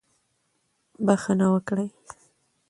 بښنه وکړئ.